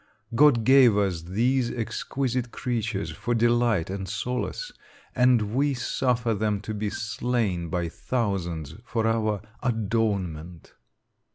God gave us these exquisite creatures for delight and solace, and we suffer them to be slain by thousands for our "adornment."